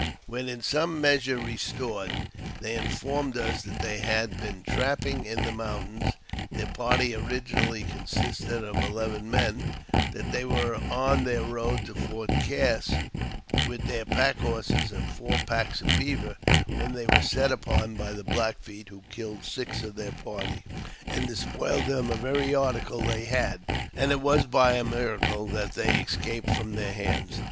When in some measure restored, they informed us that thi had been trapping in the mountains, their party originally co: sisting of eleven mem that they were on their road to Fo Cass, with their pack horses and four packs of beaver, when they were set upon by the Black Feet, who killed six of their party, and despoiled them of every article they had, and was by a miracle that they escaped from their hands.